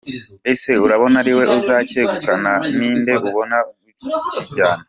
Ese urabona ariwe uzacyegukana? ni nde ubona uzakijyana?.